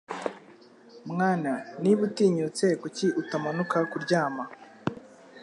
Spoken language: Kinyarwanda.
Mwana niba utinyutse kuki utamanuka kuryama